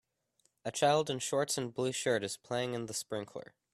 A child in shorts and blue shirt is playing in the sprinkler.